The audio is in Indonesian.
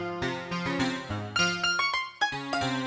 kamu mau lulus sinum arsikat penyanyi